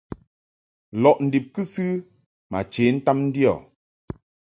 Lɔʼ ndib kɨsɨ ma che ntam ndio.